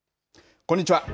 こんにちは。